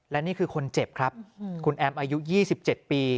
และนี่คือคนเจ็บครับคุณแอมอายุ๒๗ปี